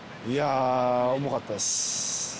いや、重かったです。